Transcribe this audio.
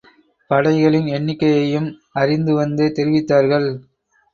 படைகளின் எண்ணிக்கையையும் அறிந்து வந்து தெரிவித்தார்கள்.